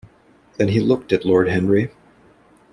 Then he looked at Lord Henry.